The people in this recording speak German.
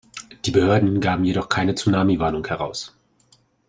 Die Behörden gaben jedoch keine Tsunami-Warnung heraus.